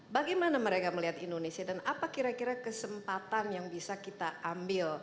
bagaimana mereka melihat indonesia dan apa kira kira kesempatan yang bisa kita ambil